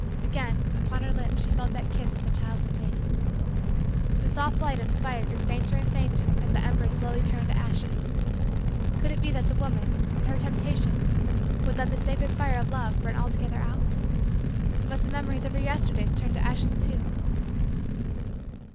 Again, upon her lips she felt that kiss of the childhood mating. The soft light of the fire grew fainter and fainter as the embers slowly turned to ashes. Could it be that the woman, in her temptation, would let the sacred fire of love burn altogether out? Must the memories of her Yesterdays turn to ashes too?